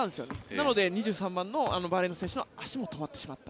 なので２３番のバーレーンの選手の足も止まってしまった。